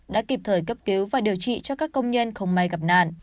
đã kịp thời cấp cứu và điều trị cho các công nhân không may gặp nạn